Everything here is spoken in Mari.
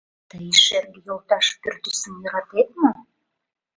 Тый, шерге йолташ, пӱртӱсым йӧратет мо?